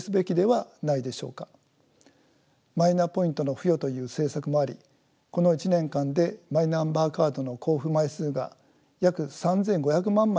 マイナポイントの付与という政策もありこの１年間でマイナンバーカードの交付枚数が約３，５００万枚も急激に増えました。